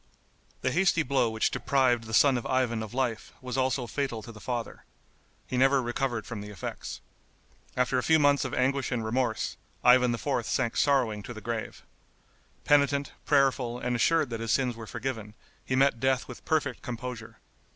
The hasty blow which deprived the son of Ivan of life was also fatal to the father. He never recovered from the effects. After a few months of anguish and remorse, Ivan IV. sank sorrowing to the grave. Penitent, prayerful and assured that his sins were forgiven, he met death with perfect composure.